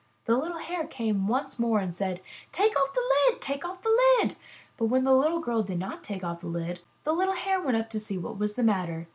The little Hare came once more and said: 'Take off the lid! Take off the lid!" When the little girl did not take off the lid, the little Hare went up to see what was the matter.